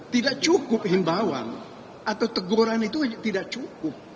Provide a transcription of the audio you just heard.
tidak cukup himbauan atau teguran itu tidak cukup